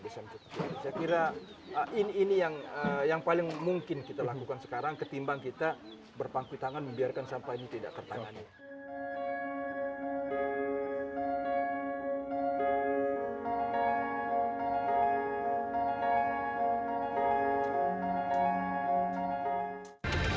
saya kira ini yang paling mungkin kita lakukan sekarang ketimbang kita berpangku tangan membiarkan sampah ini tidak tertangani